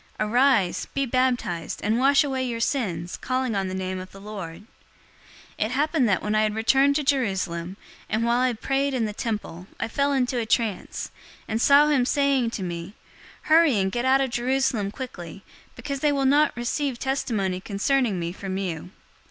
Arise, be baptized, and wash away your sins, calling on the name of the Lord.' 022:017 "It happened that, when I had returned to Jerusalem, and while I prayed in the temple, I fell into a trance, 022:018 and saw him saying to me, 'Hurry and get out of Jerusalem quickly, because they will not receive testimony concerning me from you.'